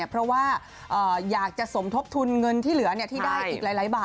เพราะว่าอยากจะสมทบทุนเงินที่เหลือที่ได้อีกหลายบาท